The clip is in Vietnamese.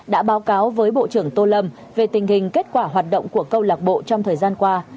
đã báo cáo với bộ trưởng tô lâm về tình hình kết quả hoạt động của câu lạc bộ trong thời gian qua